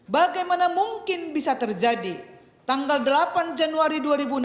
bagaimana mungkin bisa terjadi tanggal delapan januari dua ribu enam belas